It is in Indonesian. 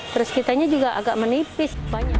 terus kitanya juga agak menipis